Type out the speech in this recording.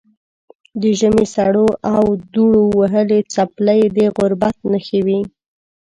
د ژمي سړو او دوړو وهلې څپلۍ د غربت نښې وې.